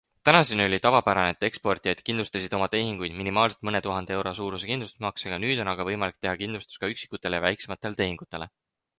Tänaseni oli tavapärane, et eksportijad kindlustasid oma tehinguid minimaalselt mõne tuhande euro suuruse kindlustusmaksega, nüüd on aga võimalik teha kindlustus ka üksikutele ja väiksematele tehingutele.